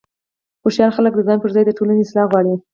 هوښیار خلک د ځان پر ځای د ټولنې اصلاح غواړي.